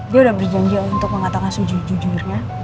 dia udah berjanji untuk mengatakan sejujur jujurnya